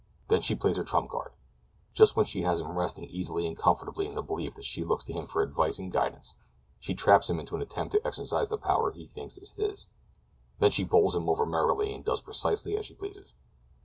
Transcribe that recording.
Then she plays her trump card. Just when she has him resting easily and comfortably in the belief that she looks to him for advice and guidance, she traps him into an attempt to exercise the power he thinks is his. Then she bowls him over merrily and does precisely as she pleases.